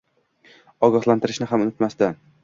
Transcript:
ogohlantirishni ham unutmasdi.